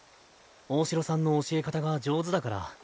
大城さんの教え方が上手だから。